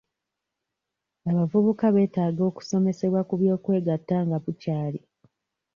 Abavubuka beetaaga okusomesebwa ku by'okwegatta nga bukyali.